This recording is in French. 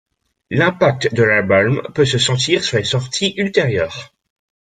L'impact de l'album peut se sentir sur les sorties ultérieure.